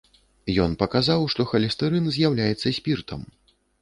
Ён паказаў, што халестэрын з'яўляецца спіртам.